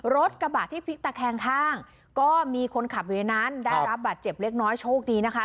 รถกระบะที่พลิกตะแคงข้างก็มีคนขับอยู่ในนั้นได้รับบาดเจ็บเล็กน้อยโชคดีนะคะ